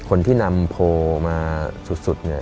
คนที่นำโพลมาสุด